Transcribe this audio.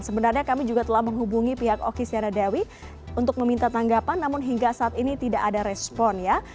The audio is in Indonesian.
sebenarnya kami juga telah menghubungi pihak oki siana dewi untuk meminta tanggapan namun hingga saat ini tidak ada respon ya